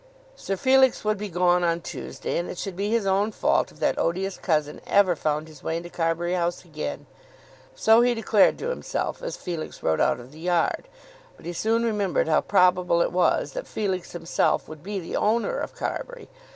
Sir Felix would be gone on Tuesday, and it should be his own fault if that odious cousin ever found his way into Carbury House again! So he declared to himself as Felix rode out of the yard; but he soon remembered how probable it was that Felix himself would be the owner of Carbury.